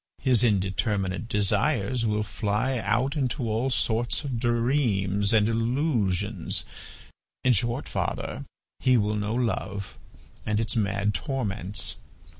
His indeterminate desires will fly out into all sorts of dreams and illusions; in short, father, he will know love and its mad torments.